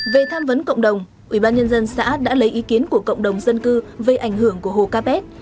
về tham vấn cộng đồng ubnd xã đã lấy ý kiến của cộng đồng dân cư về ảnh hưởng của hồ capet